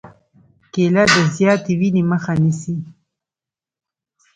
کېله د زیاتې وینې مخه نیسي.